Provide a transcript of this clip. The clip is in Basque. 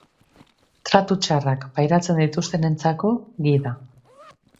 Tratu txarrak pairatzen dituztenentzako gida.